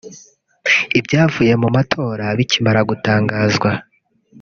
Ibyavuye mu matora bikimara gutangazwa